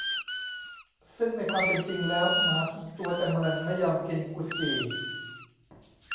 ซึ่งในความเป็นจริงแล้วหมาทุกตัวจะเมินไม่ยอมกินกุดจี่